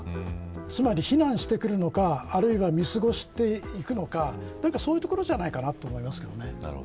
つまり非難してくるのかあるいは見過ごしていくのかそういうところじゃないかと思います。